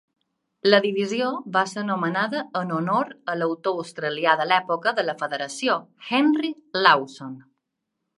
La divisió va ser nomenada en honor a l'autor australià de l'època de la Federació, Henry Lawson.